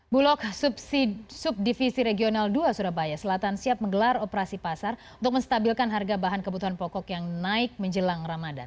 bulog subdivisi regional dua surabaya selatan siap menggelar operasi pasar untuk menstabilkan harga bahan kebutuhan pokok yang naik menjelang ramadan